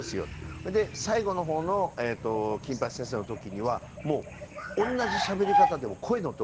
それで最後の方の『金八先生』の時にはもう同じしゃべり方でも声のトーンが低くなったんで。